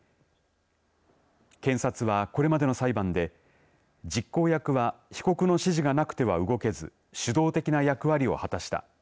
検察は、これまでの裁判で実効役は被告の指示がなくては動けず主導的な役割を果たした。